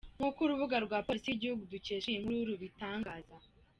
Nk’uko urubuga rwa Polisi y’igihugu dukesha iyi nkuru rubitangaza.